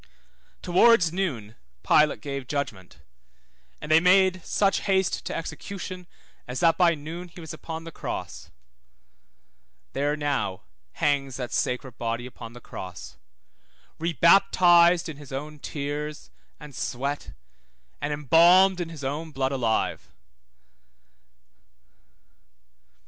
Towards noon Pilate gave judgment, and they made such haste to execution as that by noon he was upon the cross. There now hangs that sacred body upon the cross, rebaptized in his own tears, and sweat, and embalmed in his own blood alive.